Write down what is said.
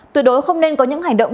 tuyệt đối không nên có những hành động